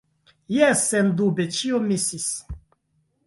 Jes, sendube ĉio misis.